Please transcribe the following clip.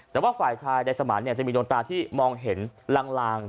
แต่ว่าฝ่ายชายนายสมานจะมีดวงตาที่มองเห็นลาง